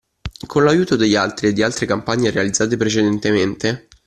Con l’aiuto degli altri e di altre campagne realizzate precedentemente.